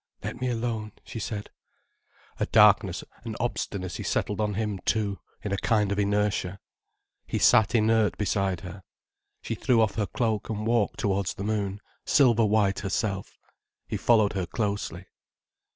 "Let me alone," she said. A darkness, an obstinacy settled on him too, in a kind of inertia. He sat inert beside her. She threw off her cloak and walked towards the moon, silver white herself. He followed her closely.